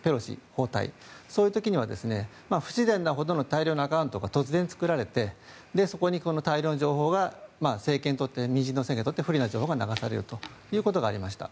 訪台そういう時には、不自然なほどの大量のアカウントが突然作られてそこに大量の情報が民進党政権にとって不利な情報が流されるということがありました。